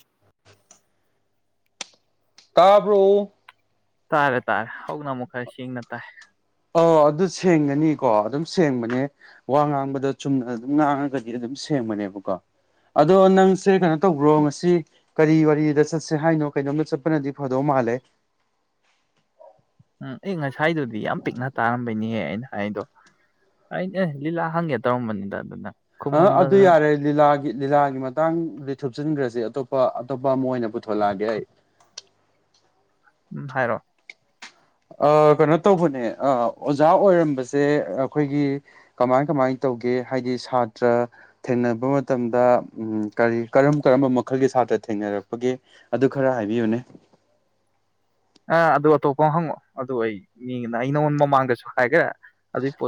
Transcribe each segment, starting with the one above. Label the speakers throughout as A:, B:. A: [inaudible] ꯇꯥꯕ꯭ꯔꯣ
B: ꯇꯥꯔꯦ ꯇꯥꯔꯦ ꯍꯧꯛꯅ ꯑꯃꯨꯛ ꯈꯔ ꯁꯦꯡꯅ ꯇꯥꯏ
A: ꯑꯣ ꯑꯗꯨ ꯁꯦꯡꯒꯅꯤꯀꯣ ꯑꯗꯨꯝ ꯁꯦꯡꯕꯅꯦ ꯋꯥ ꯉꯥꯡꯕꯗ ꯆꯨꯝꯅ ꯑꯗꯨꯝ ꯉꯥꯡꯉꯒꯗꯤ ꯑꯗꯨꯝ ꯁꯦꯡꯕꯅꯦꯕꯀꯣ ꯑꯗꯣ ꯅꯡꯁꯦ ꯀꯩꯅꯣ ꯇꯧꯕ꯭ꯔꯣ ꯉꯁꯤ ꯀꯔꯤ ꯋꯥꯔꯤꯗ ꯆꯠꯁꯦ ꯍꯥꯏꯅꯣ ꯀꯩꯅꯣꯝꯗ ꯆꯠꯄꯅꯗꯤ ꯐꯗꯧ ꯃꯥꯜꯂꯦ
B: ꯎꯝ ꯑꯦ ꯉꯁꯥꯏꯗꯨꯗꯤ ꯌꯥꯝ ꯄꯤꯛꯅ ꯇꯥꯔꯝꯕꯩꯅꯤꯍꯦ ꯑꯩꯅ ꯍꯥꯏꯗꯣ ꯑꯩꯅ ꯑꯦ ꯂꯤꯂꯥ ꯍꯡꯒꯦ ꯇꯧꯔꯝꯕꯅꯤꯗ ꯑꯗꯨꯅ
A: ꯑ ꯑꯗꯨ
B: ꯈꯨꯝꯃꯝꯗꯗꯅ
A: ꯌꯥꯔꯦ ꯂꯤꯂꯥꯒꯤ ꯂꯤꯂꯥꯒꯤ ꯃꯇꯥꯡꯗꯤ ꯊꯨꯞꯆꯤꯟꯈ꯭ꯔꯁꯦ ꯑꯇꯣꯞꯄ ꯑꯇꯣꯞꯄ ꯑꯃ ꯑꯣꯏꯅ ꯄꯨꯊꯣꯂꯛꯑꯒꯦ ꯑꯩ
B: ꯎꯝ ꯍꯥꯏꯔꯣ
A: ꯀꯩꯅꯣ ꯇꯧꯕꯅꯦ ꯑꯣꯖꯥ ꯑꯣꯏꯔꯝꯕꯁꯦ ꯑꯩꯈꯣꯏꯒꯤ ꯀꯃꯥꯏ ꯀꯃꯥꯏ ꯇꯧꯒꯦ ꯍꯥꯏꯗꯤ ꯁꯥꯇ꯭ꯔ ꯊꯦꯡꯅꯕ ꯃꯇꯝꯗ ꯀꯔꯤ ꯀꯔꯝ ꯀꯔꯝꯕ ꯃꯈꯜꯒꯤ ꯁꯥꯇ꯭ꯔ ꯊꯦꯡꯅꯔꯛꯄꯒꯦ ꯑꯗꯨ ꯈꯔ ꯍꯥꯏꯕꯤꯌꯨꯅꯦ
B: ꯑ ꯑꯗꯨ ꯑꯇꯣꯞꯄ ꯑꯃ ꯍꯉꯛꯑꯣ ꯑꯗꯨ ꯑꯩ ꯃꯤꯅ ꯑꯩ ꯅꯉꯣꯟ ꯃꯃꯥꯡꯗꯁꯨ ꯍꯥꯏꯈ꯭ꯔ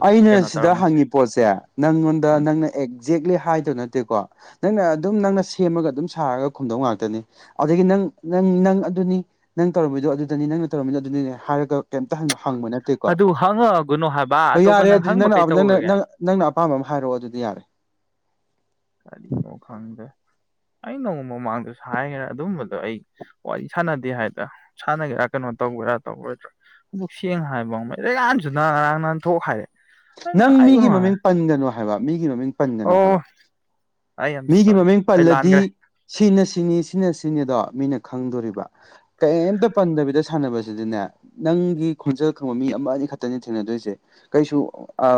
A: ꯑꯩꯅ ꯁꯤꯗ ꯍꯉꯤ ꯄꯣꯠꯁꯦ ꯅꯉꯣꯟꯗ
B: ꯎꯝ
A: ꯅꯡꯅ ꯑ ꯖꯦꯛꯂꯤ ꯍꯥꯏꯗꯧ ꯅꯠꯇꯦꯀꯣ ꯅꯡꯅ ꯑꯗꯨꯝ ꯅꯡꯅ ꯁꯦꯝꯃꯒ ꯑꯗꯨꯝ ꯁꯥꯔꯒ ꯈꯡꯗꯧ ꯉꯥꯛꯇꯅꯤ ꯑꯗꯒꯤ ꯅꯡ ꯅꯡ ꯅꯡ ꯑꯗꯨꯅꯤ ꯅꯡ ꯇꯧꯔꯝꯃꯤꯗꯣ ꯑꯗꯨꯗꯅꯤ ꯅꯡ ꯇꯧꯔꯝꯃꯤꯗꯨ ꯑꯗꯨꯗꯅꯦ ꯍꯥꯏꯔꯒ ꯀꯩꯝꯇ ꯍꯩꯃꯥ
B: ꯑꯗꯨ ꯍꯉꯥꯒꯨꯅꯣ ꯍꯥꯏ
A: ꯍꯣꯏ ꯌꯥꯔꯦ ꯑꯗꯨꯗꯤ ꯅꯡꯅ ꯅ ꯅꯡꯅ ꯑꯄꯥꯝꯕ ꯑꯃ ꯍꯥꯏꯔꯛꯑꯣ ꯑꯗꯨꯗꯤ ꯌꯥꯔꯦ
B: ꯀꯔꯤꯅꯣ ꯈꯡꯗꯦ ꯑꯩ ꯅꯣꯡ ꯃꯃꯥꯡꯗꯁꯨ ꯍꯥꯏꯒꯦꯔꯥ ꯑꯗꯨꯝꯕꯗꯣ ꯑꯩ ꯋꯥꯔꯤ ꯁꯥꯟꯅꯗꯦ ꯍꯥꯏꯗ ꯁꯥꯟꯅꯒꯦꯔꯥ ꯀꯩꯅꯣ ꯇꯧꯒꯣꯏꯔꯥ ꯇꯧꯒꯣꯏꯗ꯭ꯔꯥ ꯑꯗꯨꯛ ꯁꯦꯡꯅ ꯍꯥꯏꯕ ꯌꯥꯝꯥꯟꯁꯨꯅ ꯉꯔꯥꯡ ꯅꯍꯥꯟ ꯊꯣꯛ ꯍꯥꯏꯔꯦ ꯅꯪ
A: ꯅꯡ ꯃꯤꯒꯤ
B: ꯍꯥꯏꯒꯅꯨ ꯍꯥꯏ
A: ꯃꯃꯤꯡ ꯄꯟꯒꯅꯨ ꯍꯥꯏꯕ ꯃꯤꯒꯤ ꯃꯃꯤꯡ ꯄꯟꯒꯅꯨ ꯍꯥꯏꯕ
B: ꯑꯣ ꯑꯩ ꯑꯦꯝ
A: ꯃꯤꯒꯤ
B: ꯁꯣꯔꯤ
A: ꯃꯃꯤꯡ
B: ꯑꯩ
A: ꯄꯜꯂꯗꯤ
B: ꯂꯥꯟꯈ꯭ꯔꯦ
A: ꯁꯤꯅ ꯁꯤꯅꯤ ꯁꯤꯅ ꯁꯤꯅꯤ ꯑꯗꯣ ꯃꯤꯅ ꯈꯡꯗꯣꯔꯤꯕ ꯀꯩꯝꯇ ꯄꯟꯗꯕꯤꯗ ꯁꯥꯟꯅꯕꯁꯤꯗꯅꯦ ꯅꯡꯒꯤ ꯈꯡꯟꯖꯦꯜ ꯈꯡꯕ ꯃꯤ ꯑꯃ ꯑꯅꯤ ꯈꯛꯇꯅꯤ ꯊꯦꯡꯅꯗꯣꯏꯁꯦ ꯀꯩꯁꯨ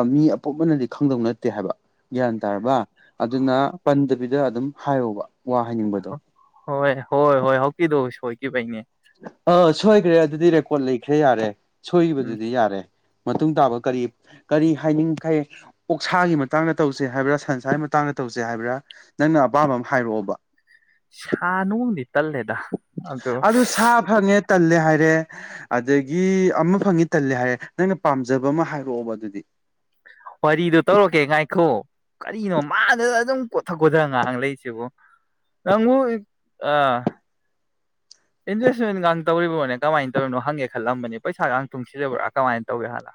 A: ꯃꯤ ꯑꯄꯣꯄꯅꯗꯤ ꯈꯡꯗꯧ ꯅꯠꯇꯦ ꯍꯥꯏꯕ ꯒ꯭ꯌꯥꯟ ꯇꯥꯔꯕ ꯑꯗꯨꯅ ꯄꯟꯗꯕꯤꯗ ꯑꯗꯨꯝ ꯍꯥꯏꯌꯣꯕ ꯋꯥ ꯍꯥꯏꯅꯤꯡꯕꯗꯣ
B: ꯍꯣꯏ ꯍꯣꯏ ꯍꯣꯏ ꯍꯀꯤꯗꯣ ꯍꯣꯏ ꯅꯦ [unintelligible]
A: ꯑꯥ ꯁꯣꯏꯈ꯭ꯔꯦ ꯑꯗꯨꯗꯤ ꯔꯦꯀꯣꯔꯠ ꯂꯩꯈ꯭ꯔꯦ ꯌꯥꯔꯦ
B: ꯎꯝ
A: ꯁꯣꯏꯈꯤꯕꯗꯨꯗꯤ ꯌꯥꯔꯦ ꯃꯇꯨꯡ ꯇꯥꯕ ꯀꯔꯤ ꯀꯔꯤ ꯍꯥꯏꯅꯤꯡꯈꯩ ꯑꯣꯛꯁꯥꯒꯤ ꯃꯇꯥꯡꯗ ꯇꯧꯁꯦ ꯍꯥꯏꯕ꯭ꯔꯥ ꯁꯟꯁꯥꯒꯤ ꯃꯇꯥꯡꯗ ꯇꯧꯁꯦ ꯍꯥꯏꯕ꯭ꯔꯥ ꯅꯪꯅ ꯑꯄꯥꯝꯕ ꯑꯃ ꯍꯥꯏꯔꯛꯑꯣꯕ
B: ꯁ ꯅꯣꯡꯅꯤ [unintelligible] ꯇꯜꯂꯦꯗ ꯑꯗꯨꯣ
A: ꯑꯗꯨ ꯁꯥ ꯐꯪꯉꯦ ꯇꯜꯂꯦ ꯍꯥꯏꯔꯦ ꯑꯗꯒꯤ ꯑꯃ ꯐꯪꯉꯤ ꯇꯜꯂꯦ ꯍꯥꯏꯔꯦ ꯅꯪꯅ ꯄꯥꯝꯖꯕ ꯑꯃ ꯍꯥꯏꯔꯛꯑꯣꯕ ꯑꯗꯨꯗꯤ
B: ꯋꯥꯔꯤꯗꯣ ꯇꯧꯔꯛꯀꯦ ꯉꯥꯏꯈꯣ ꯀꯔꯤꯅꯣ ꯃꯥꯗꯨꯗ ꯑꯗꯨꯝ ꯀꯣꯊ ꯀꯣꯊ ꯉꯥꯏꯍꯥꯛ ꯂꯩꯁꯤꯕꯨ ꯅꯪꯕꯨ ꯑ ꯏꯟꯚꯦꯁꯃꯦꯟꯒ ꯇꯧꯔꯤꯕ꯭ꯔꯣꯅꯦ ꯀꯃꯥꯏꯅ ꯇꯧꯔꯤꯅꯣ ꯍꯪꯒꯦ ꯈꯜꯂꯝꯕꯅꯤ ꯄꯩꯁꯥꯒ ꯇꯨꯡꯁꯤꯜꯂꯤꯔꯕ꯭ꯔꯥ ꯀꯃꯥꯏ ꯇꯧꯒꯦ ꯍꯥꯟꯅ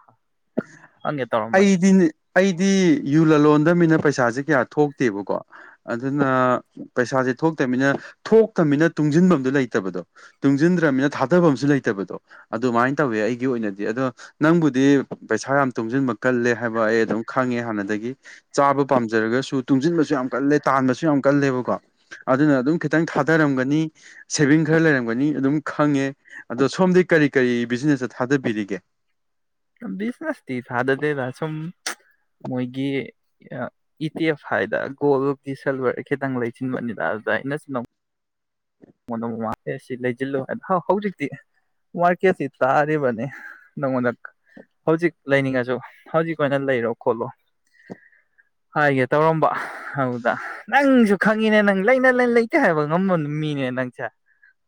B: ꯍꯪꯒꯦ ꯇꯧꯔꯝꯕꯅꯦ
A: ꯑꯩꯗꯤꯅꯦ ꯑꯩꯗꯤ ꯌꯨ ꯂꯂꯣꯟꯗꯕꯅꯤꯅ ꯄꯩꯁꯥꯁꯤ ꯀꯌꯥ ꯊꯣꯛꯇꯦꯕꯀꯣ ꯑꯗꯨꯅ ꯄꯩꯁꯥꯁꯦ ꯊꯣꯛꯇꯅꯤꯅ ꯊꯣꯛꯇꯅꯤꯅ ꯇꯨꯡꯁꯤꯟꯐꯝꯗꯨ ꯂꯩꯇꯕꯗꯣ ꯇꯨꯡꯁꯤꯟꯗ꯭ꯔꯅꯤꯅ ꯊꯥꯗꯐꯝꯁꯨ ꯂꯩꯇꯕꯗꯣ ꯑꯗꯨꯃꯥꯏꯅ ꯇꯧꯋꯦ ꯑꯩꯒꯤ ꯑꯣꯏꯅꯗꯤ ꯑꯗꯣ ꯅꯪꯕꯨꯗꯤ ꯄꯩꯁꯥ ꯌꯥꯝ ꯇꯨꯡꯁꯤꯟꯕ ꯀꯜꯂꯦ ꯍꯥꯏꯕ ꯑꯩ ꯑꯗꯨꯝ ꯈꯪꯉꯦ ꯍꯥꯟꯅꯗꯒꯤ ꯆꯥꯕ ꯄꯥꯝꯖꯔꯒꯁꯨ ꯇꯨꯡꯁꯤꯟꯕꯁꯨ ꯌꯥꯝ ꯀꯜꯂꯦ ꯇꯥꯟꯕꯁꯨ ꯌꯥꯝ ꯀꯜꯂꯦꯕꯀꯣ ꯑꯗꯨꯅ ꯑꯗꯨꯝ ꯈꯤꯇꯪ ꯊꯥꯗꯔꯝꯒꯅꯤ ꯁꯦꯚꯤꯡ ꯈꯔ ꯂꯩꯔꯝꯒꯅꯤ ꯑꯗꯨꯝ ꯈꯪꯉꯦ ꯑꯗꯣ ꯁꯣꯝꯗꯤ ꯀꯔꯤ ꯀꯔꯤ ꯕꯤꯖꯤꯅꯦꯁꯇ ꯊꯥꯗꯕꯤꯔꯤꯒꯦ
B: ꯁ ꯅꯁꯤꯇ ꯐꯥꯗꯗ ꯇꯁꯨꯝ ꯃꯣꯏꯒꯤ ꯏ ꯇꯤ ꯑꯦꯐ ꯍꯥꯏꯗ ꯒꯣꯜꯗꯤꯤ ꯁꯤꯜꯚꯔ ꯈꯤꯇꯪ ꯂꯩꯁꯤꯟꯕꯅꯤꯅ ꯑꯗꯨꯗ ꯑꯩꯅꯆꯤꯟꯜ ꯅꯪꯉꯣꯟꯗ ꯃꯃꯥꯡ ꯑꯦ ꯁꯤ ꯂꯩꯁꯤꯜꯂꯨ ꯍꯥꯏ ꯍꯧꯖꯤꯛꯇꯤ ꯃꯥꯔꯀꯦꯠꯁꯤ ꯇꯥꯔꯤꯕꯅꯤ ꯅꯪꯉꯣꯟꯗ ꯍꯧꯖꯤꯛ ꯂꯩꯅꯤꯡꯉꯁꯨ ꯍꯧꯖꯤꯛ ꯑꯣꯏꯅ ꯂꯩꯔꯣ ꯈꯣꯠꯂꯣ ꯍꯥꯏꯒꯦ ꯇꯧꯔꯝꯕ ꯍꯥꯎꯗ ꯅꯪꯁꯨ ꯈꯪꯉꯤꯅꯦ ꯅꯪ ꯂꯩꯥꯏꯅ ꯂꯥꯏꯟ ꯂꯩꯇꯦ ꯍꯥꯏꯕ ꯉꯃ ꯃꯤꯅꯦꯅ ꯅꯪꯁꯦ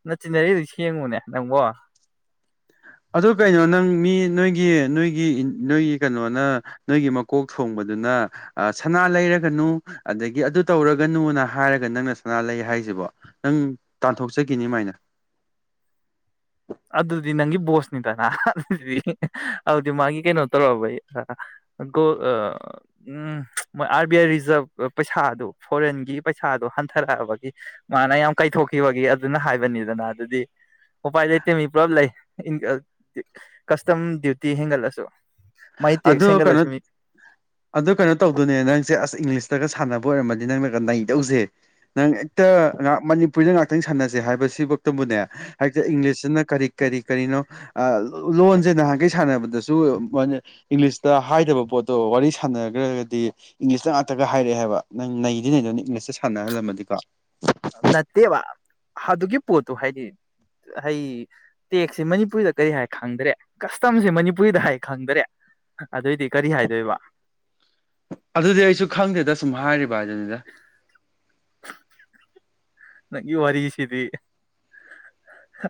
B: ꯅ ꯆꯤꯟꯅꯔꯤ ꯑꯗꯨ ꯁꯦꯡꯉꯨꯅꯦ ꯅꯪꯕꯣ
A: ꯑꯗꯨ ꯀꯩꯅꯣ ꯅꯪ ꯃꯤ ꯅꯣꯏꯒꯤ ꯅꯣꯏꯒꯤ ꯅꯣꯏꯒꯤ ꯀꯩꯅꯣꯅ ꯅꯣꯏꯒꯤ ꯃꯀꯣꯛ ꯊꯣꯡꯕꯗꯨꯅ ꯁꯅꯥ ꯂꯩꯔꯒꯅꯨ ꯑꯗꯒꯤ ꯑꯗꯨ ꯇꯧꯔꯒꯅꯨꯅ ꯍꯥꯏꯔꯒ ꯅꯪꯅ ꯁꯅꯥ ꯂꯩ ꯍꯥꯏꯁꯤꯕꯣ ꯅꯪ ꯇꯥꯟꯊꯣꯛꯆꯈꯤꯅꯤꯃꯥꯏꯅ
B: ꯑꯗꯨꯗꯤ ꯅꯪꯒꯤ ꯕꯣꯁꯅꯤꯗꯅ ꯑꯗꯨꯗꯤ ꯑꯗꯨꯗꯤ ꯃꯥꯒꯤ ꯀꯩꯅꯣ ꯇꯧꯔꯛꯑꯕꯩ ꯎ ꯑꯥꯔꯕꯤ ꯑꯥꯏ ꯔꯤꯖꯥꯕ ꯄꯩꯁꯥꯗꯨ ꯐꯣꯔꯦꯟꯒꯤ ꯄꯩꯁꯥꯗꯨꯣ ꯍꯟꯊꯔꯛꯑꯕꯒꯤ ꯃꯥꯅ ꯌꯥꯝ ꯀꯥꯏꯊꯣꯛꯈꯤꯕꯒꯤ ꯑꯗꯨꯅ ꯍꯥꯏꯕꯅꯤꯗꯅ ꯑꯗꯨꯗꯤ ꯎꯄꯥꯏ ꯃꯤ ꯄ꯭ꯔꯣꯞ ꯂꯩ ꯀꯁꯇꯝ ꯗ꯭ꯌꯨꯇꯤ ꯍꯦꯟꯒꯠꯂꯁꯨ ꯃꯥꯏ
A: ꯑꯗꯨ
B: ꯇꯦꯛꯁ
A: ꯀꯩꯅꯣ
B: ꯍꯦꯟꯒꯠꯂꯁꯨ ꯃꯤ
A: ꯑꯗꯨ ꯀꯩꯅꯣ ꯇꯧꯗꯨꯅꯦ ꯅꯪꯁꯦ ꯑꯁ ꯏꯪꯂꯤꯁꯇꯒ ꯁꯥꯟꯅꯕ ꯑꯣꯏꯔꯝꯃꯗꯤ ꯅꯪꯅ ꯅꯩꯗꯧꯁꯦ ꯅꯪ ꯍꯦꯛꯇ ꯃꯅꯤꯄꯨꯔꯤꯗ ꯉꯍꯇꯪ ꯁꯥꯟꯅꯁꯦ ꯍꯥꯏ ꯁꯤꯐꯛꯇꯕꯨꯅꯦ ꯍꯦꯛꯇ ꯏꯪꯂꯤꯁꯁꯤꯅ ꯀꯔꯤ ꯀꯔꯤ ꯀꯔꯤꯅꯣ ꯂꯣꯟꯁꯦ ꯅꯍꯥꯟꯈꯩ ꯁꯥꯟꯅꯕꯗ ꯆ ꯃꯅꯦ ꯏꯪꯂꯤꯁꯇ ꯍꯥꯏꯗꯕ ꯄꯣꯠꯇꯣ ꯋꯥꯔꯤ ꯁꯥꯟꯅꯈ꯭ꯔꯒꯗꯤ ꯏꯪꯂꯤꯁꯇ ꯉꯥꯛꯇꯒ ꯍꯥꯏꯔꯛꯑꯦ ꯍꯥꯏꯕ ꯅꯪ ꯅꯩꯗꯤ ꯅꯩꯗꯨꯅ ꯏꯪꯂꯤꯁꯇ ꯁꯥꯟꯅꯍꯜꯂꯝꯃꯗꯤꯀꯣ
B: ꯅꯠꯇꯦꯕ ꯑꯗꯨꯒꯤ ꯄꯣꯠꯇꯣ ꯍꯥꯏꯗꯤ ꯑꯩ ꯇꯦꯛꯁꯦ ꯃꯅꯤꯄꯨꯔꯤꯗ ꯀꯔꯤ ꯍꯥꯏ ꯈꯪꯗ꯭ꯔꯦ ꯀꯁꯇꯝꯁꯦ ꯃꯅꯤꯄꯨꯔꯤꯗ ꯍꯥꯏ ꯈꯪꯗꯔꯦ ꯑꯗꯨꯑꯣꯏꯗꯤ ꯀꯔꯤ ꯍꯥꯏꯗꯣꯏꯕ
A: ꯑꯗꯨꯗꯤ ꯑꯩꯁꯨ ꯈꯪꯗꯦꯗ ꯁꯨꯝ ꯍꯥꯏꯔꯤ ꯖꯅꯤꯗ
B: ꯅꯪꯒꯤ ꯋꯥꯔꯤꯁꯤꯗꯤ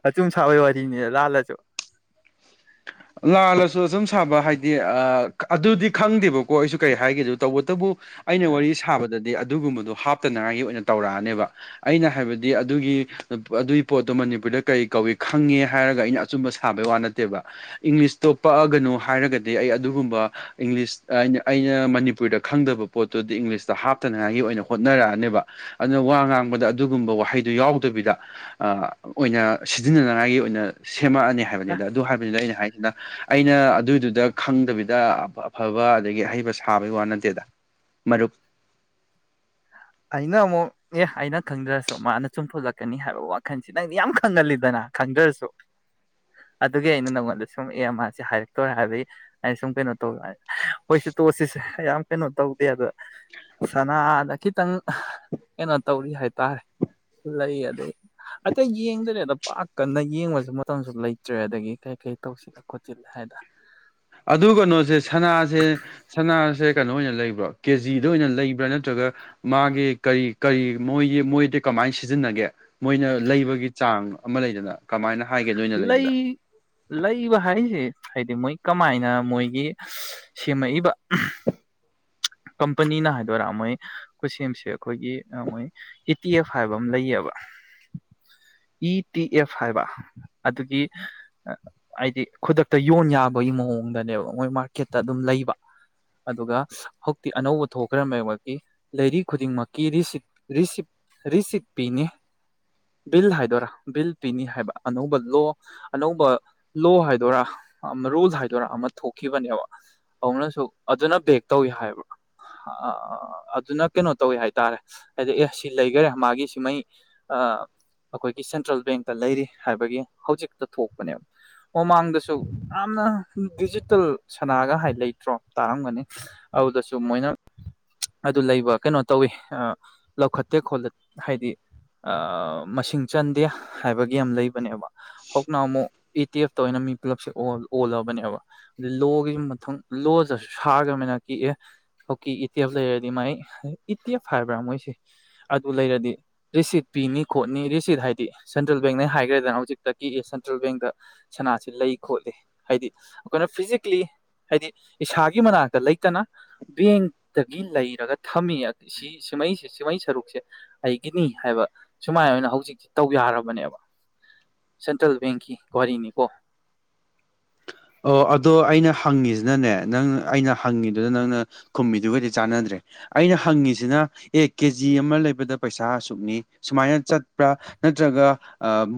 B: ꯑꯆꯨꯝ ꯁꯥꯕꯩ ꯋꯥꯔꯤꯅꯤ ꯂꯥꯜꯂꯁꯨ
A: ꯂꯥꯜꯂꯁꯨ ꯑꯁꯨꯝ ꯁꯥꯕ ꯍꯥꯏꯗꯤ ꯑꯗꯨꯗꯤ ꯈꯪꯗꯦꯕꯀꯣ ꯑꯩꯁꯨ ꯀꯩ ꯍꯥꯏꯒꯦ ꯇꯧꯕꯇꯕꯨ ꯑꯩꯅ ꯋꯥꯔꯤ ꯁꯥꯕꯗꯗꯤ ꯑꯗꯨꯒꯨꯝꯕꯗꯣ ꯍꯥꯞꯇꯅꯉꯥꯏꯒꯤ ꯑꯣꯏꯅ ꯇꯧꯔꯛꯑꯅꯦꯕ ꯑꯩꯅ ꯍꯥꯏꯕꯗꯤ ꯑꯗꯨꯒꯤ ꯑꯗꯨꯏ ꯄꯣꯠꯇꯣ ꯃꯅꯤꯄꯨꯔꯗ ꯀꯔꯤ ꯀꯧꯏ ꯈꯪꯉꯦ ꯍꯥꯏꯔꯒ ꯑꯩꯅ ꯑꯆꯨꯝꯕ ꯁꯥꯕꯩ ꯋꯥ ꯅꯠꯇꯦꯕ ꯏꯪꯂꯤꯁꯇꯣ ꯄꯛꯑꯒꯅꯨ ꯍꯥꯏꯔꯒꯗꯤ ꯑꯩ ꯑꯗꯨꯒꯨꯝꯕ ꯏꯪꯂꯤꯁ ꯑꯩꯅ ꯑꯩꯅ ꯃꯅꯤꯄꯨꯔꯗ ꯈꯪꯗꯕ ꯄꯣꯠꯇꯨꯗꯤ ꯏꯪꯂꯤꯁꯇ ꯍꯥꯞꯇꯅꯉꯥꯏꯒꯤ ꯑꯣꯏꯅ ꯍꯣꯠꯅꯔꯛꯑꯅꯦꯕ ꯑꯗꯨꯅ ꯋꯥ ꯉꯥꯡꯕꯗ ꯑꯗꯨꯒꯨꯝꯕ ꯋꯥꯍꯩꯗꯨ ꯌꯥꯎꯗꯕꯤꯗ ꯑꯣꯏꯅ ꯁꯤꯖꯤꯟꯅꯅꯤꯡꯉꯥꯏꯒꯤ ꯑꯣꯏꯅ ꯁꯦꯝꯃꯛꯑꯅꯤ ꯍꯥꯏꯕꯅꯤꯗ ꯑꯗꯨ ꯍꯥꯏꯕꯗꯨꯗ ꯑꯩꯅ ꯍꯥꯏ ꯑꯗꯨꯅ ꯑꯩꯅ ꯑꯗꯨꯏꯗꯨꯗ ꯈꯪꯗꯕꯤꯗ ꯑꯐꯕ ꯑꯗꯒꯤ ꯑꯍꯩꯕ ꯁꯥꯕꯒꯤ ꯋꯥ ꯅꯠꯇꯦꯗ ꯃꯔꯨꯞ
B: ꯑꯩꯅ ꯑꯃꯨꯛ ꯑꯦ ꯑꯩꯅ ꯈꯪꯗ꯭ꯔꯁꯨ ꯃꯥꯅ ꯆꯨꯝꯊꯣꯂꯛꯀꯅꯤ ꯍꯥꯏꯕ ꯋꯥꯈꯟꯁꯤ ꯅꯪꯗꯤ ꯌꯥꯝ ꯈꯪꯍꯜꯂꯤꯗꯅ ꯈꯪꯗ꯭ꯔꯁꯨ ꯑꯗꯨꯒꯤ ꯑꯩꯅ ꯅꯪꯉꯣꯟꯗ ꯁꯨꯝ ꯑꯦ ꯃꯥꯁꯦ ꯍꯥꯏꯔꯛꯇꯣꯔꯦ ꯍꯥꯏꯕꯗꯤ ꯑꯩꯅ ꯁꯨꯝ ꯀꯩꯅꯣ ꯇꯧ ꯍꯣꯏꯁꯨ ꯇꯣꯠꯁꯤꯁꯦ ꯌꯥꯝ ꯀꯩꯅꯣ ꯇꯧꯗꯦ ꯑꯗ ꯁꯅꯥꯗ ꯈꯤꯇꯪ ꯀꯩꯅꯣ ꯇꯧꯔꯤ ꯍꯥꯏꯇꯥꯔꯦ ꯂꯩ ꯑꯗꯩ ꯑꯇꯩ ꯌꯦꯡꯗ꯭ꯔꯦꯗ ꯄꯥꯛ ꯀꯟꯅ ꯌꯦꯡꯕꯁꯨ ꯃꯇꯝꯁꯨ ꯂꯩꯇ꯭ꯔꯦ ꯑꯗꯒꯤ ꯀꯩ ꯀꯩ ꯇꯧꯁꯤꯜꯂꯦ ꯈꯣꯠꯆꯤꯜꯂꯦ ꯍꯥꯏꯗꯅ
A: ꯑꯗꯨ ꯀꯩꯅꯣꯁꯦ ꯁꯅꯥꯁꯦ ꯁꯅꯥ ꯁꯦ ꯀꯩꯅꯣ ꯑꯣꯏꯅ ꯂꯩꯕ꯭ꯔꯣ ꯀꯦꯖꯤꯗ ꯑꯣꯏꯅ ꯂꯩꯕ꯭ꯔꯥ ꯅꯠꯇ꯭ꯔꯒ ꯃꯥꯒꯤ ꯀꯔꯤ ꯀꯔꯤ ꯃꯣꯏꯒꯤ ꯃꯣꯏꯗꯤ ꯀꯃꯥꯏꯅ ꯁꯤꯖꯤꯟꯅꯒꯦ ꯃꯣꯏꯅ ꯂꯩꯕꯒꯤ ꯆꯥꯡ ꯑꯃ ꯂꯩꯗꯅ ꯀꯃꯥꯏꯅ ꯍꯥꯏꯒꯦ ꯅꯣꯏꯅ ꯂꯩꯕꯗ
B: ꯂꯩ ꯂꯩꯕ ꯍꯥꯏꯁꯦ ꯍꯥꯏꯗꯤ ꯃꯣꯏ ꯀꯃꯥꯏꯅ ꯃꯣꯏꯒꯤ ꯁꯦꯝꯃꯛꯏꯕ ꯀꯝꯄꯅꯤꯅ ꯍꯥꯏꯗꯣꯏꯔꯥ ꯃꯣꯏ ꯈꯨꯠꯁꯦꯝꯁꯦ ꯑꯩꯈꯣꯏꯒꯤ ꯃꯣꯏ ꯏ ꯇꯤ ꯑꯦꯐ ꯍꯥꯏꯕ ꯑꯃ ꯂꯩꯌꯦꯕ ꯏ ꯇꯤ ꯑꯦꯐ ꯍꯥꯏꯕ ꯑꯗꯨꯒꯤ ꯍꯥꯏꯗꯤ ꯈꯨꯗꯛꯇ ꯌꯣꯟ ꯌꯥꯕꯒꯤ ꯃꯑꯣꯡꯗꯅꯦꯕ ꯃꯣꯏ ꯃꯥꯔꯀꯦꯠꯇ ꯑꯗꯨꯝ ꯂꯩꯕ ꯑꯗꯨꯒ ꯇꯤ ꯑꯅꯧꯕ ꯊꯣꯛꯈ꯭ꯔꯦ ꯃꯌꯕꯒꯤ ꯂꯩꯔꯤ ꯈꯨꯗꯤꯡꯃꯛꯀꯤ ꯔꯤꯁꯤꯞ ꯔꯤꯁꯤꯞ ꯔꯤꯁꯤꯞ ꯄꯤꯅꯤ ꯕꯤꯜ ꯍꯥꯏꯗꯣꯏꯔꯥ ꯕꯤꯜ ꯄꯤꯅꯤ ꯍꯥꯏꯕ ꯑꯅꯧꯕ ꯂꯣ ꯑꯅꯧꯕ ꯂꯣ ꯍꯥꯏꯗꯣꯏꯔꯥ ꯔꯨꯜ ꯍꯥꯏꯗꯣꯏꯔꯥ ꯑꯃ ꯊꯣꯛꯈꯤꯕꯅꯦꯕ ꯑꯗꯨꯅꯁꯨ ꯑꯗꯨꯅ ꯕꯦꯛ ꯇꯧꯏ ꯍꯥꯏꯕ ꯑꯗꯨꯅ ꯀꯩꯅꯣ ꯇꯧꯋꯤ ꯍꯥꯏꯇꯥꯔꯦ ꯍꯥꯏꯗꯤ ꯑꯦ ꯁꯤ ꯂꯩꯈꯔꯦ ꯃꯥꯒꯤ ꯁꯤꯃꯩ ꯑꯩꯈꯣꯏꯒꯤ ꯁꯦꯟꯇ꯭ꯔꯦꯜ ꯕꯦꯡꯇ ꯂꯩꯔꯤ ꯍꯥꯏꯕꯒꯤ ꯍꯧꯖꯤꯛꯇ ꯊꯣꯛꯄꯅꯦꯕ ꯃꯃꯥꯡꯗꯁꯨ ꯌꯥꯝꯅ ꯗꯤꯖꯤꯇꯦꯜ ꯁꯅꯥꯒ ꯍꯥꯏ ꯂꯩꯇ꯭ꯔꯣ ꯇꯥꯔꯝꯒꯅꯤ ꯑꯗꯨꯗꯁꯨ ꯁ ꯃꯣꯏꯅ ꯑꯗꯨ ꯂꯩꯕ ꯀꯩꯅꯣ ꯇꯧꯋꯤ ꯂꯧꯈꯠꯇꯦ ꯈꯣ ꯍꯥꯏꯗꯤ ꯃꯁꯤꯡ ꯆꯟꯗꯦ ꯍꯥꯏꯕꯒꯤ ꯌꯥꯝ ꯂꯩꯕꯅꯦꯕ ꯍꯧꯅ ꯑꯃꯨꯛ ꯏ ꯇꯤ ꯑꯦꯐꯇ ꯑꯣꯏꯅ ꯃꯤ ꯄꯨꯂꯞꯁꯦ ꯑꯣꯜꯂꯕꯅꯦꯕ ꯑ ꯂꯣꯒꯤꯁꯨ ꯃꯊꯪ ꯂꯣꯗꯁꯨ ꯁꯥꯈꯅꯤꯅ ꯀꯤꯛꯑꯦ ꯑꯣꯀꯤ ꯏ ꯇꯤ ꯑꯦꯐ ꯂꯩꯔꯗꯤ ꯃꯥꯏ ꯏ ꯇꯤ ꯑꯦꯐ ꯍꯥꯏꯕ꯭ꯔꯥ ꯃꯣꯏꯁꯦ ꯑꯗꯨ ꯂꯩꯔꯗꯤ ꯔꯤꯁꯤꯠ ꯄꯤꯅꯤ ꯈꯣꯠꯅꯤ ꯔꯤꯁꯤꯠ ꯍꯥꯏꯗꯤ ꯁꯦꯟꯇ꯭ꯔꯦꯜ ꯕꯦꯡꯅ ꯍꯥꯏꯈ꯭ꯔꯦꯗꯅ ꯍꯧꯖꯤꯛꯇ ꯀꯤ ꯑꯦ ꯁꯦꯟꯇ꯭ꯔꯦꯜ ꯕꯦꯡꯗ ꯁꯅꯥꯁꯤ ꯂꯩ ꯈꯣꯠꯂꯤ ꯍꯥꯏꯗꯤ ꯑꯩꯈꯣꯏꯅ ꯐꯤꯖꯤꯀꯦꯜꯂꯤ ꯍꯥꯏꯗꯤ ꯏꯁꯥꯒꯤ ꯃꯅꯥꯛꯇ ꯂꯩꯇꯅ ꯕꯦꯡꯇꯒꯤ ꯂꯩꯔꯒ ꯊꯝꯃꯤ ꯁꯤ ꯁꯨꯃꯩꯁꯦ ꯁꯨꯃꯩ ꯁꯔꯨꯛꯁꯦ ꯑꯩꯒꯤꯅꯤ ꯍꯥꯏꯕ ꯁꯨꯃꯥꯏꯅ ꯑꯣꯏꯅ ꯍꯧꯖꯤꯛꯇꯁꯤ ꯇꯧ ꯌꯥꯔꯕꯅꯦꯕ ꯁꯦꯟꯇ꯭ꯔꯦꯜ ꯕꯦꯡꯀꯤ ꯋꯥꯔꯤꯅꯤꯀꯣ
A: ꯑꯣ ꯑꯗꯣ ꯑꯩꯅ ꯍꯪꯉꯤꯁꯤꯅꯅꯦ ꯅꯪ ꯑꯩꯅ ꯍꯪꯉꯤꯗꯨꯗ ꯅꯪꯅ ꯈꯨꯝꯕꯤꯗꯨꯒꯗꯤ ꯆꯥꯟꯅꯗ꯭ꯔꯦ ꯑꯩꯅ ꯍꯪꯉꯤꯁꯤꯅ ꯑꯦ ꯀꯦꯖꯤ ꯑꯃ ꯂꯩꯕꯗ ꯄꯩꯁꯥ ꯑꯁꯨꯛꯅꯤ ꯁꯨꯃꯥꯏꯅ ꯆꯠꯄ꯭ꯔꯥ ꯅꯠꯇ꯭ꯔꯒ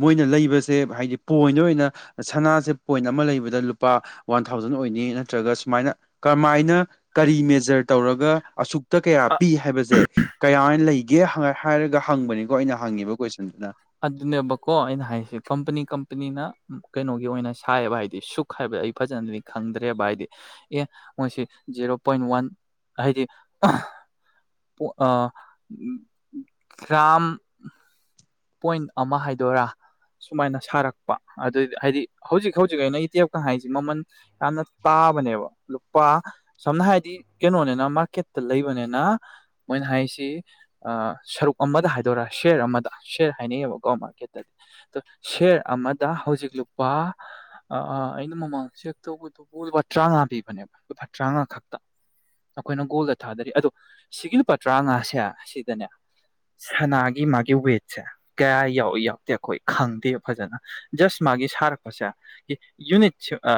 A: ꯃꯣꯏꯅ ꯂꯩꯕꯁꯦ ꯍꯥꯏꯗꯤ ꯄꯣꯏꯟ ꯑꯣꯏꯅ ꯁꯅꯥꯁꯦ ꯄꯣꯏꯟ ꯑꯃ ꯂꯩꯕꯗ ꯂꯨꯄꯥ ꯋꯥꯟ ꯊꯥꯎꯖꯟ ꯑꯣꯏꯅꯤ ꯅꯠꯇ꯭ꯔꯒ ꯁꯨꯃꯥꯏꯅ ꯀꯃꯥꯏꯅ ꯀꯔꯤ ꯃꯦꯖꯔ ꯇꯧꯔꯒ ꯑꯁꯨꯛꯇ ꯀꯌꯥ ꯄꯤ ꯍꯥꯏꯕꯁꯦ ꯀꯌꯥ ꯂꯩ ꯒꯦ ꯍꯥꯏꯔꯒ ꯍꯪꯕꯅꯤꯀꯣ ꯑꯩꯅ ꯍꯪꯉꯤꯕ ꯀꯣꯏꯁꯟꯗꯨꯅ
B: ꯑꯗꯨꯅꯦꯕꯀꯣ ꯑꯩꯅ ꯍꯥꯏꯁꯦ ꯀꯝꯄꯅꯤ ꯀꯝꯄꯅꯤꯅ ꯀꯩꯅꯣꯒꯤ ꯑꯣꯏꯅ ꯁꯥꯏꯌꯦꯕ ꯍꯥꯏꯗꯤ ꯁꯨꯛ ꯍꯥꯏꯕꯗ ꯑꯩ ꯐꯖꯅꯗꯤ ꯈꯪꯗ꯭ꯔꯦꯕ ꯍꯥꯏꯗꯤ ꯑꯦ ꯃꯣꯏꯁꯤ ꯖꯦꯔꯣ ꯄꯣꯏꯟ ꯋꯥꯟ ꯍꯥꯏꯗꯤ ꯒ꯭ꯔꯥꯝ ꯄꯣꯏꯟ ꯑꯃ ꯍꯥꯏꯗꯣꯏꯔꯥ ꯁꯨꯃꯥꯏꯅ ꯁꯥꯔꯛꯄ ꯑꯗꯨꯗꯤ ꯍꯥꯏꯗꯤ ꯍꯧꯖꯤꯛ ꯍꯧꯖꯤꯛ ꯑꯩꯅ ꯏꯇꯦꯞꯀ ꯍꯥꯏꯁꯤ ꯃꯃꯜ ꯌꯥꯝꯅ ꯇꯥꯕꯅꯦꯕ ꯂꯨꯄꯥ ꯁꯝꯅ ꯍꯥꯏꯗꯤ ꯀꯩꯅꯣꯅꯤꯅ ꯃꯥꯔꯀꯦꯠꯇ ꯂꯩꯕꯅꯤꯅ ꯃꯣꯏꯅ ꯍꯥꯏꯁꯤ ꯁꯔꯨꯛ ꯑꯃꯗ ꯍꯥꯏꯗꯣꯏꯔꯥ ꯁꯤꯌꯔ ꯑꯃꯗ ꯁꯤꯌꯔ ꯍꯥꯏꯅꯩꯌꯦꯕꯀꯣ ꯃꯥꯔꯀꯦꯠꯇꯗꯤ ꯑꯗꯣ ꯁꯤꯦꯌꯔ ꯑꯃꯗ ꯍꯧꯖꯤꯛ ꯂꯨꯄꯥ ꯑꯩꯅ ꯃꯃꯥꯡ ꯆꯦꯛ ꯇꯧꯕꯗꯨꯕꯨ ꯂꯨꯄꯥ ꯇꯔꯥꯃꯉꯥ ꯄꯤꯕꯅꯦꯕ ꯂꯨꯄꯥ ꯇꯔꯥꯃꯉꯥ ꯈꯛꯇ ꯑꯩꯈꯣꯏꯅ ꯒꯣꯜꯗ ꯊꯥꯗꯔꯤ ꯑꯗꯣ ꯁꯤꯒꯤ ꯂꯨꯄꯥ ꯇꯔꯥꯉꯥꯁꯦ ꯑꯁꯤꯗꯅꯦ ꯁꯅꯥꯒꯤ ꯃꯥꯒꯤ ꯋꯦꯠ ꯁꯦ ꯀꯌꯥ ꯌꯥꯎꯏ ꯌꯥꯎꯗꯦ ꯑꯩꯈꯣꯏ ꯈꯪꯗꯦ ꯐꯖꯅ ꯖꯁ ꯃꯥꯒꯤ ꯁꯥꯔꯛꯄꯁꯦ ꯌꯨꯅꯤꯠ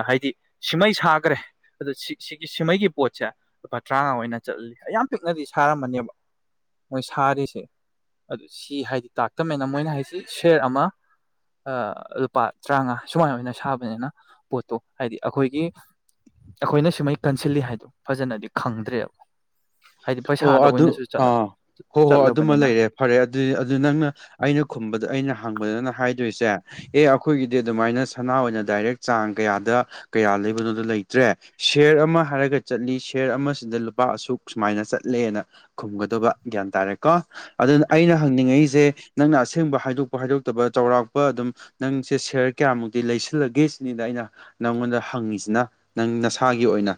B: ꯍꯥꯏꯗꯤ ꯁꯤꯃꯩ ꯁꯥꯈ꯭ꯔꯦ ꯑꯗꯨ ꯁꯤꯒꯤ ꯁꯤꯃꯩꯒꯤ ꯄꯣꯠꯁꯦ ꯂꯨꯄꯥ ꯇꯔꯥꯉꯥ ꯑꯣꯏꯅ ꯆꯠꯂꯤ ꯑꯌꯥꯝ ꯄꯤꯛꯅꯗꯤ ꯁꯥꯔꯝꯃꯅꯦꯕ ꯃꯣꯏ ꯁꯥꯔꯤꯁꯦ ꯑꯗꯨ ꯁꯤ ꯍꯥꯏꯗꯤ ꯇꯥꯛꯇꯕꯅꯤꯅ ꯃꯣꯏꯅ ꯍꯥꯏꯁꯤ ꯁꯦꯌꯔ ꯑꯃ ꯂꯨꯄꯥ ꯇꯔꯥꯃꯉꯥ ꯁꯨꯃꯥꯏ ꯑꯣꯏꯅ ꯁꯥꯕꯅꯤꯅ ꯄꯣꯠꯇꯣ ꯍꯥꯏꯗꯤ ꯑꯩꯈꯣꯏꯒꯤ ꯑꯩꯈꯣꯏꯅ ꯁꯨꯃꯩ ꯀꯟꯁꯤꯜꯂꯤ ꯍꯥꯏꯗꯣ ꯐꯖꯅꯗꯤ ꯈꯪꯗ꯭ꯔꯦꯕ ꯍꯥꯏꯗꯤ
A: ꯑꯣ
B: ꯄꯩꯁꯥꯗ
A: ꯑꯗꯨ
B: ꯑꯣꯏꯅꯁꯨ
A: ꯑꯥ ꯍꯣ ꯍꯣꯏ ꯑꯗꯨꯃ
B: ꯆꯠꯂꯕꯅꯤꯅ
A: ꯂꯩꯔꯦ ꯐꯔꯦ ꯑꯗꯨꯗꯤ ꯑꯗꯨ ꯅꯪꯅ ꯑꯩꯅ ꯈꯨꯝꯕꯗ ꯑꯩꯅ ꯍꯪꯕꯗꯅ ꯍꯥꯏꯗꯣꯏꯁꯦ ꯑꯦ ꯑꯩꯈꯣꯏꯒꯤꯗꯤ ꯑꯗꯨꯃꯥꯏꯅ ꯁꯅꯥ ꯑꯣꯏꯅ ꯗꯥꯏꯔꯦꯛ ꯆꯥꯡ ꯀꯌꯥꯗ ꯀꯌꯥ ꯂꯩꯕꯅꯣꯗ ꯂꯩꯇ꯭ꯔꯦ ꯁꯤꯌꯔ ꯑꯃ ꯍꯥꯏꯔꯒ ꯆꯠꯂꯤ ꯁꯤꯌꯔ ꯑꯃꯁꯤꯗ ꯂꯨꯄꯥ ꯑꯁꯨꯛ ꯁꯨꯃꯥꯏꯅ ꯆꯠꯂꯦꯅ ꯈꯨꯝꯒꯗꯕ ꯒ꯭ꯌꯥꯟ ꯇꯥꯔꯦꯀꯣ ꯑꯗꯨꯅ ꯑꯩꯅ ꯍꯪꯅꯤꯡꯉꯛꯁꯦ ꯅꯪꯅ ꯑꯁꯦꯡꯕ ꯍꯥꯏꯗꯣꯛꯄ ꯍꯥꯏꯗꯣꯛꯇꯕ ꯆꯥꯎꯧꯔꯥꯛꯄ ꯑꯗꯨꯝ ꯅꯪꯁꯦ ꯁꯌꯔ ꯀꯌꯥꯃꯨꯛꯇꯤ ꯂꯩꯁꯤꯜꯂꯒꯦ ꯁꯤꯅꯤꯗ ꯑꯩꯅ ꯅꯪꯉꯣꯟꯗ ꯍꯪꯉꯤꯁꯤꯅ ꯅꯪ ꯅꯁꯥꯒꯤ ꯑꯣꯏꯅ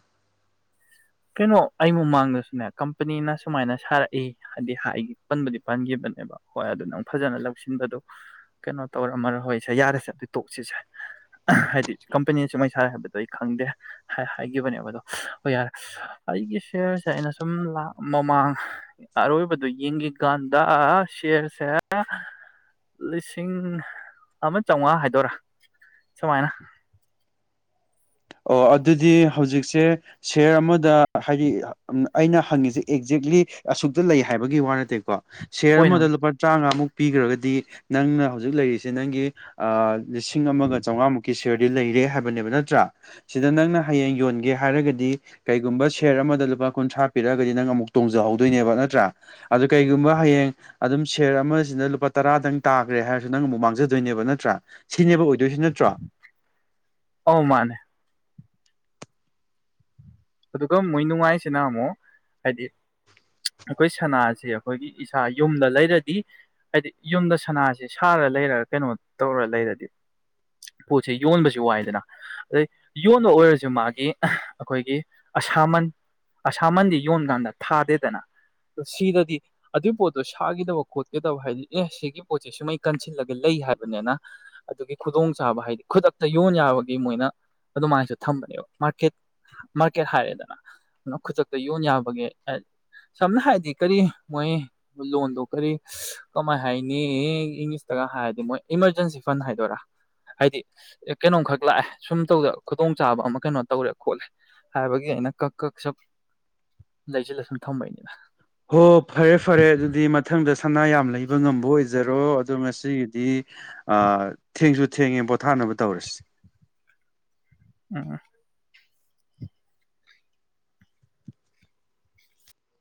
B: ꯀꯩꯅꯣ ꯑꯩ ꯃꯃꯥꯡꯗꯁꯨꯅꯦ ꯀꯝꯄꯅꯤꯅ ꯁꯨꯃꯥꯏꯅ ꯁꯥꯔꯛꯏ ꯍꯥꯏꯗꯤ ꯄꯟꯕꯗꯤ ꯄꯟꯈꯤꯕꯅꯦꯕ ꯍꯣꯏ ꯑꯗꯨ ꯅꯪ ꯐꯖꯅ ꯂꯧꯁꯤꯟꯕꯗꯣ ꯀꯩꯅꯣ ꯇꯧꯔꯝꯃꯔ ꯍꯣꯏꯁꯦ ꯌꯥꯔꯁꯦ ꯑꯗꯨ ꯇꯣꯛꯁꯤꯁꯦ ꯍꯥꯏꯗꯤ ꯀꯝꯄꯅꯤꯅ ꯁꯨꯃꯥꯏ ꯁꯥꯔꯦ ꯍꯥꯏꯕꯗꯣ ꯑꯩ ꯈꯪꯗꯦ ꯍꯥꯏꯈꯤꯕꯅꯦꯕ ꯑꯗꯣ ꯍꯣꯏ ꯌꯥꯔꯦ ꯑꯩꯒꯤ ꯁꯤꯌꯥꯔꯁꯦ ꯑꯩꯅ ꯁꯨꯝ ꯃꯃꯥꯡ ꯑꯔꯣꯏꯕꯗ ꯌꯦꯡꯈꯤꯀꯥꯟꯗ ꯁꯤꯌꯔꯁꯦ ꯂꯤꯁꯤꯡ ꯑꯃ ꯆꯥꯝꯃꯉꯥ ꯍꯥꯏꯗꯣꯏꯔꯥ ꯁꯨꯃꯥꯏꯅ
A: ꯑꯣ ꯑꯗꯨꯗꯤ ꯍꯧꯖꯤꯛꯁꯦ ꯁꯤꯌꯔ ꯑꯃꯗ ꯍꯥꯏꯗꯤ ꯑꯩꯅ ꯍꯪꯉꯤꯁꯦ ꯑꯦꯛꯖꯦꯛꯂꯤ ꯑꯁꯨꯛꯇ ꯂꯩ ꯍꯥꯏꯕꯒꯤ ꯋꯥ ꯅꯠꯇꯦꯀꯣ ꯁꯤꯌꯔ
B: ꯑꯣꯏꯅ
A: ꯑꯃꯗ ꯂꯨꯄꯥ ꯇꯔꯥꯃꯉꯥꯃꯨꯛ ꯄꯤꯈ꯭ꯔꯒꯗꯤ ꯅꯪꯅ ꯍꯧꯖꯤꯛ ꯂꯩꯔꯤꯁꯦ ꯅꯪꯒꯤ ꯂꯤꯁꯤꯡ ꯑꯃꯒ ꯆꯥꯝꯃꯉꯥꯃꯨꯛꯀꯤ ꯁꯤꯌꯔꯗꯤ ꯂꯩꯔꯦ ꯍꯥꯏꯕꯅꯦꯕ ꯅꯠꯇ꯭ꯔꯥ ꯁꯤꯗ ꯅꯪꯅ ꯍꯌꯦꯡ ꯌꯣꯟꯒꯦ ꯍꯥꯏꯔꯒꯗꯤ ꯀꯩꯒꯨꯝꯕ ꯁꯦꯌꯔ ꯑꯃꯗ ꯂꯨꯄꯥ ꯀꯨꯟꯊ꯭ꯔꯥ ꯄꯤꯔꯛꯑꯒꯗꯤ ꯅꯪ ꯑꯃꯨꯛ ꯇꯣꯡꯖꯍꯧꯗꯣꯏꯅꯦꯕ ꯅꯠꯇ꯭ꯔꯥ ꯑꯗꯨ ꯀꯩꯒꯨꯝꯕ ꯍꯌꯦꯡ ꯑꯗꯨꯝ ꯁꯦꯌꯔ ꯑꯃꯁꯤꯅ ꯂꯨꯄꯥ ꯇꯔꯥꯗꯪ ꯇꯥꯈ꯭ꯔꯦ ꯍꯥꯏꯔꯁꯨ ꯅꯪ ꯑꯃꯨꯛ ꯃꯥꯡꯖꯗꯣꯏꯅꯦꯕ ꯅꯠꯇ꯭ꯔꯥ ꯁꯤꯅꯦꯕ ꯑꯣꯏꯗꯣꯏꯁꯤ ꯅꯠꯇ꯭ꯔꯣ
B: ꯑꯣ ꯃꯥꯅꯦ ꯑꯗꯨꯒ ꯃꯣꯏ ꯅꯨꯡꯉꯥꯏꯁꯤꯅ ꯑꯃꯨꯛ ꯍꯥꯏꯗꯤ ꯑꯩꯈꯣꯏ ꯁꯅꯥꯁꯦ ꯑꯩꯈꯣꯏꯒꯤ ꯏꯁꯥ ꯌꯨꯝꯗ ꯂꯩꯔꯗꯤ ꯍꯥꯏꯗꯤ ꯌꯨꯝꯗ ꯁꯅꯥꯁꯤ ꯁꯥꯔ ꯂꯩꯔ ꯀꯩꯅꯣ ꯇꯧꯔ ꯂꯩꯔꯗꯤ ꯄꯣꯠꯁꯦ ꯌꯣꯟꯕꯁꯨ ꯋꯥꯏꯗꯅ ꯑꯗꯩ ꯌꯣꯟꯕ ꯑꯣꯏꯔꯁꯨ ꯃꯥꯒꯤ ꯑꯩꯈꯣꯏꯒꯤ ꯑꯁꯥꯃꯟ ꯑꯁꯥꯃꯟꯗꯤ ꯌꯣꯟ ꯀꯥꯟꯗ ꯊꯥꯗꯦꯗꯅ ꯑ ꯁꯤꯗꯗꯤ ꯑꯗꯨꯒꯤ ꯄꯣꯠꯇꯣ ꯁꯥꯈꯤꯗꯕ ꯈꯣꯠꯈꯤꯗꯕ ꯍꯥꯏꯗꯤ ꯑꯦ ꯁꯤꯒꯤ ꯄꯣꯠꯁꯦ ꯁꯨꯃꯩ ꯀꯟꯁꯤꯜꯂꯒ ꯂꯩ ꯍꯥꯏꯕꯅꯤꯅ ꯑꯗꯨꯒꯤ ꯈꯨꯗꯣꯡꯆꯥꯥꯕ ꯍꯥꯏꯗꯤ ꯈꯨꯗꯛꯇ ꯌꯣꯟ ꯌꯥꯕꯒꯤ ꯃꯣꯏꯅ ꯑꯗꯨꯃꯥꯏꯁꯨ ꯊꯝꯕꯅꯦꯕ ꯃꯥꯔꯀꯦꯠ ꯃꯥꯔꯀꯦꯠ ꯍꯥꯏꯔꯦꯗꯅ ꯈꯨꯗꯛꯇ ꯌꯣꯟ ꯌꯥꯕꯒꯦ ꯁꯝꯅ ꯍꯥꯏꯔꯗꯤ ꯀꯔꯤ ꯃꯣꯏ ꯂꯣꯟꯗꯣ ꯀꯔꯤ ꯀꯃꯥꯏ ꯍꯥꯏꯅꯤ ꯏꯪꯂꯤꯁꯇꯒ ꯍꯥꯏꯔꯗꯤ ꯃꯣꯏ ꯏꯃꯥꯔꯖꯦꯟꯁꯤ ꯐꯟ ꯍꯥꯏꯗꯣꯏꯔꯥ ꯍꯥꯏꯗꯤ ꯀꯩꯅꯣꯝꯈꯛ ꯂꯥꯛꯑꯦ ꯁꯨꯝ ꯇꯧꯗ ꯈꯨꯗꯣꯡꯆꯥꯥꯕ ꯑꯃ ꯀꯩꯅꯣ ꯇꯧꯔꯦ ꯈꯣꯠꯂꯦ ꯍꯥꯏꯕꯒꯤ ꯑꯩꯅ ꯀꯛ ꯀꯛ ꯁꯞ ꯂꯩꯁꯤꯜꯂ ꯁꯨꯝ ꯊꯝꯝꯕꯩꯅꯤꯅ
A: ꯍꯣ ꯐꯔꯦ ꯐꯔꯦ ꯑꯗꯨꯗꯤ ꯃꯊꯪꯗ ꯁꯅꯥ ꯌꯥꯝ ꯂꯩꯕ ꯉꯝꯕ ꯑꯣꯏꯖꯔꯣ ꯑꯗꯣ ꯉꯁꯤꯒꯤꯗꯤ ꯊꯦꯡꯁꯨ ꯊꯦꯡꯉꯦ ꯄꯣꯊꯥꯅꯕ ꯇꯧꯔꯁꯤ
B: ꯑꯥ